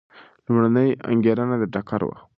لومړنۍ انګېرنه د ټکر وه.